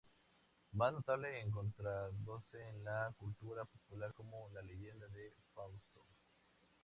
Más notablemente encontrándose en la cultura popular como "La leyenda de Fausto".